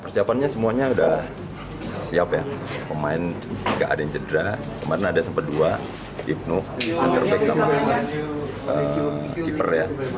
semuanya sudah siap ya pemain tidak ada yang citra kemarin ada sempat dua ibnu bisa ngerebek sama keeper ya